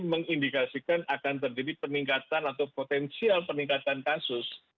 mengindikasikan akan terjadi peningkatan atau potensial peningkatan kasus